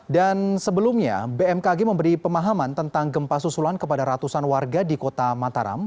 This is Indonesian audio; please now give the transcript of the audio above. sebelumnya bmkg memberi pemahaman tentang gempa susulan kepada ratusan warga di kota mataram